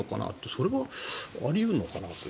それはあり得るのかなって。